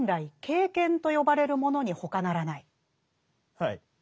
はい。